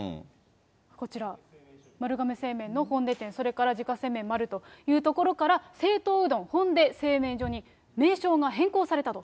こちら、丸亀製麺のホンデ店、それから自家製麺丸というところから、正統うどんホンデ製麺所に名称が変更されたと。